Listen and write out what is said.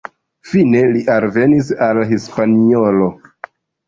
Fine li alvenis al Hispaniolo.